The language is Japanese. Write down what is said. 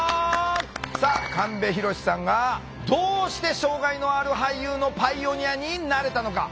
さあ神戸浩さんがどうして障害のある俳優のパイオニアになれたのか。